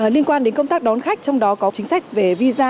liên quan đến công tác đón khách trong đó có chính sách về visa